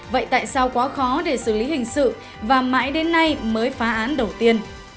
vậy tại sao quá khó để xử lý hình sự và mãi đến nay mới phá án đầu tiên